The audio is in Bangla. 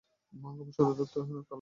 মহকুমার সদরদপ্তর কালনায় অবস্থিত।